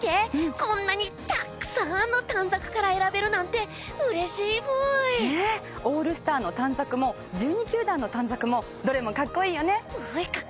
こんなにたくさんの短冊から選べるなんてオールスターの短冊も１２球団の短冊もどれもかっこいいよね？